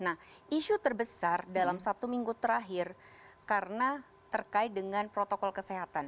nah isu terbesar dalam satu minggu terakhir karena terkait dengan protokol kesehatan